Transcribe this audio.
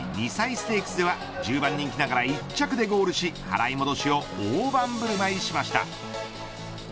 ステークスでは１０番人気ながら１着でゴールし払い戻しをオオバンブルマイしました。